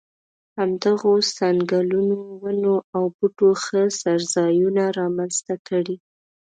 همدغو ځنګلونو ونو او بوټو ښه څړځایونه را منځته کړي.